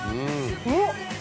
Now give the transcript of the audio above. おっ！